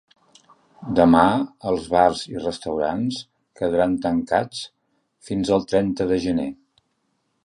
Demà els bars i restaurants quedaran tancats fins el trenta de gener.